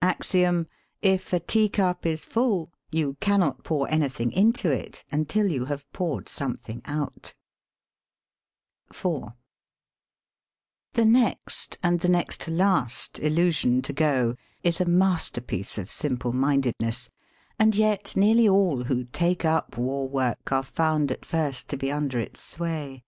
Axiom: If a tea cup is full you cannot pour anything into it until you have poured some thing out, IV The next, and the next to the last, illusion to go is a masterpiece of simple mindedness, and yet nearly all who take up war work are found at first to be under its sway.